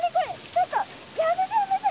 ちょっとやめてやめて！